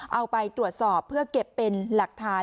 เอาไปตรวจสอบเพื่อเก็บเป็นหลักฐาน